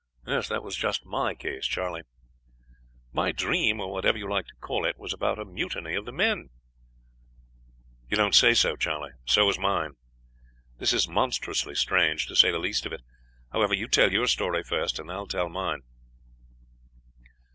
"'That was just my case, Charley.' "'My dream, or whatever you like to call it, was about a mutiny of the men.' "'You don't say so, Charley; so was mine. This is monstrously strange, to say the least of it. However, you tell your story first, and then I will tell mine.'